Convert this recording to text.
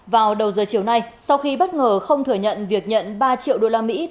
và đặc biệt là cần phải làm tốt công tác thuyền để vận động nhân dân không tham gia